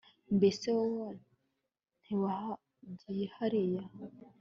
mbese wowe ntiwahagiye hariya